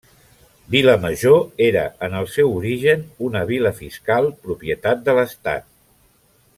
Vilamajor era en el seu origen una vila fiscal, propietat de l'Estat.